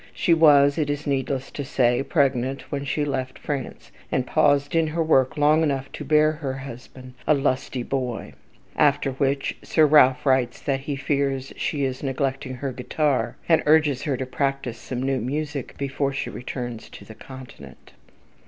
She was, it is needless to state, pregnant when she left France, and paused in her work long enough to bear her husband "a lusty boy"; after which Sir Ralph writes that he fears she is neglecting her guitar, and urges her to practise some new music before she returns to the Continent.